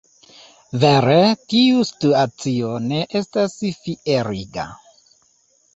Vere tiu situacio ne estas fieriga.